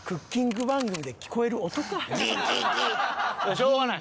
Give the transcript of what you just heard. しょうがない。